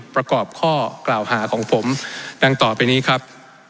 ประกอบข้อกล่าวหาของผมดังต่อไปนี้ครับ